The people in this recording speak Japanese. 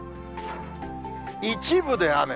一部で雨。